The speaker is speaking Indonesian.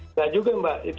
tidak juga mbak